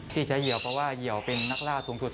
ที่ใช้เหยื่อเพราะว่าเหยื่อเป็นนักล่าสูงสุด